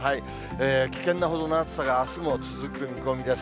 危険なほどの暑さがあすも続く見込みです。